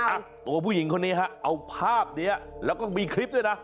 อ่ะตัวผู้หญิงคนนี้ฮะเอาภาพนี้แล้วก็มีคลิปด้วยนะ